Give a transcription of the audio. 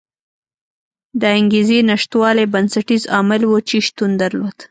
د انګېزې نشتوالی بنسټیز عامل و چې شتون درلود.